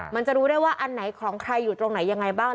มันจะรู้ได้ว่าอันไหนของใครอยู่ตรงไหนยังไงบ้าง